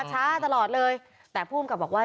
ช้าตลอดเลยแต่ผู้อำกับบอกว่า